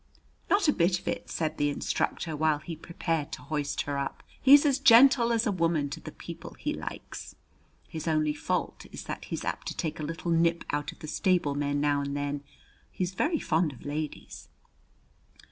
"Not a bit of it," said the instructor, while he prepared to hoist her up. "He's as gentle as a woman to the people he likes. His only fault is that he's apt to take a little nip out of the stablemen now and then. He's very fond of ladies."